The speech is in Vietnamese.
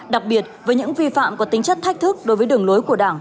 đặc biệt với những vi phạm có tính chất thách thức đối với đường lối của đảng